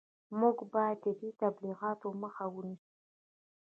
موږ باید د دې تبلیغاتو مخه ونیسو